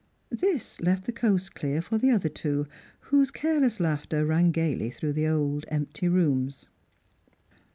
This left the coast clear for the other two, whose careless laughter rang gaily through the old empty rooms.